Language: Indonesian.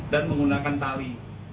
dan menggunakan tali